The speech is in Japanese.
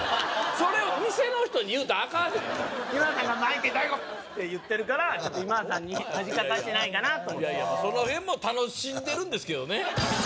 それを店の人に言うたらアカンで今田さんが毎回「大悟！」って言ってるから今田さんに恥かかしてないかなと思ってそのへんも楽しんでるんですけどね